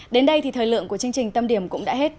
đến đây thì thời lượng của chương trình tâm điểm cũng đã hết